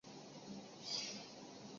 八月奉令开赴察哈尔省怀来县。